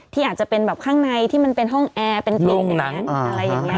ที่อาจจะเป็นแบบข้างในที่มันเป็นห้องแอร์เป็นโรงหนังอะไรอย่างนี้